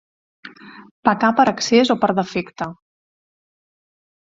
Pecar per excés o per defecte.